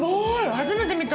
初めて見た。